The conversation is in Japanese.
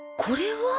これは？